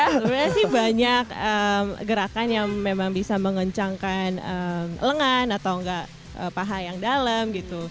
sebenarnya sih banyak gerakan yang memang bisa mengencangkan lengan atau enggak paha yang dalam gitu